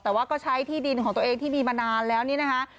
แต่ว่าก็ใช้ที่ดินของตัวเองที่มีมานานแล้วนี่นะคะ